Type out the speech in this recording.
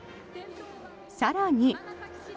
更に。